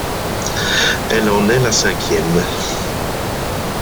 Elle en est la cinquième.